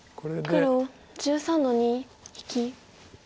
黒１３の二引き。